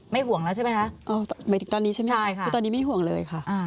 ไปเมื่อกี้ใช่ไหมค่ะแต่ตอนนี้ไม่ห่วงเลยค่ะ